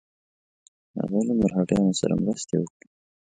هغه له مرهټیانو سره مرستې وکړي.